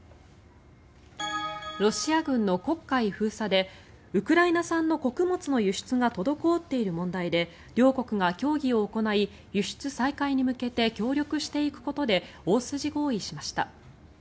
ロシア軍の黒海封鎖でウクライナ産の穀物の輸出が滞っている問題で両国が協議を行い輸出再開に向けて協力していくことで大筋合意しました。